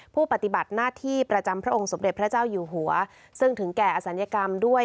ปฏิบัติหน้าที่ประจำพระองค์สมเด็จพระเจ้าอยู่หัวซึ่งถึงแก่อศัลยกรรมด้วย